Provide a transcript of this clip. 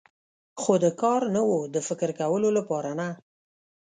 خو د کار نه و، د فکر کولو لپاره نه.